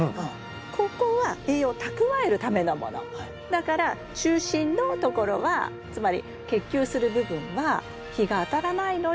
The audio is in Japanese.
だから中心のところはつまり結球する部分は日が当たらないので白っぽい。